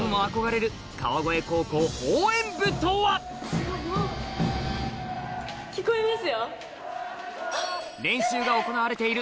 すごいもう聞こえますよ。